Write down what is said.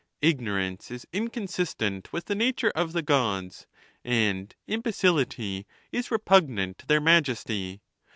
Ignorance is inconsistent with the nature of the Gods, and imbecility is repugnant to their majesty.